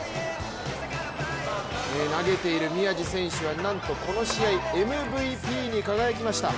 投げている宮地選手はなんとこの試合、ＭＶＰに輝きました。